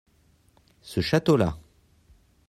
ce château-là.